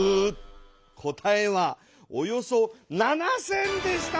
答えはおよそ７，０００でした。